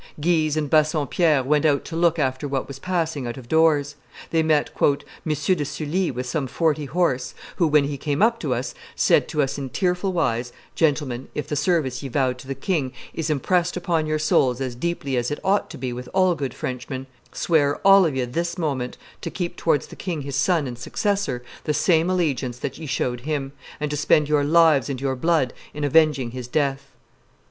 Guise and Bassompierre went out to look after what was passing out of doors; they met "M. de Sully with some forty horse, who, when he came up to us, said to us in tearful wise, 'Gentlemen, if the service ye vowed to the king is impressed upon your souls as deeply as it ought to be with all good Frenchmen, swear all of ye this moment to keep towards the king his son and successor the same allegiance that ye showed him, and to spend your lives and your blood in avenging his death?